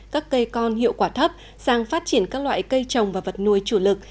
các cây con hiệu quả thấp sang phát triển các loại cây trồng và vật nuôi chủ lực